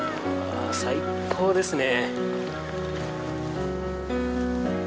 あ最高ですね